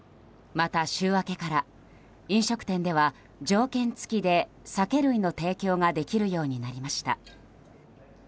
また、週明けから飲食店では条件付きで酒類の提供ができるようになりました。